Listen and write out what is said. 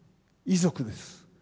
遺族です。